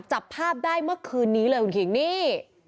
จับภาพได้เมื่อคืนนี้เลยคุณคิงนี่